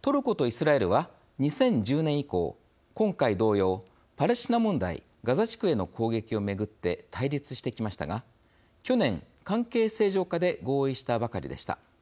トルコとイスラエルは２０１０年以降、今回同様パレスチナ問題・ガザ地区への攻撃を巡って対立してきましたが去年、関係正常化で合意したばかりでした。